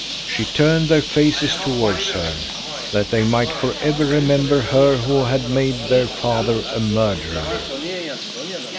She turned their faces towards her, that they might forever remember her who had made their father a murderer.